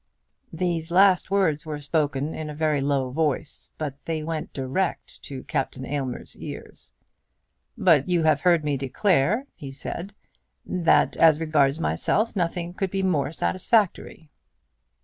These last words were spoken in a very low voice, but they went direct to Captain Aylmer's ears. "But you have heard me declare," he said, "that as regards myself nothing could be more satisfactory."